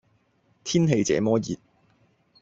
天氣這麼熱